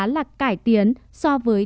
là cải tiến so với